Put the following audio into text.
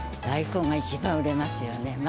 大根が一番売れますよね。